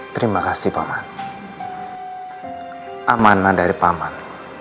terima kasih paman amanah dari paman